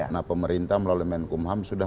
nah pemerintah melalui menkumham sudah